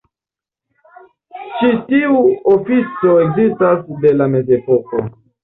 Ĉi tiu ofico ekzistas de la mezepoko.